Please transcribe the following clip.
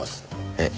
えっ？